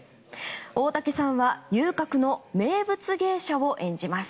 大竹さんは遊郭の名物芸者を演じます。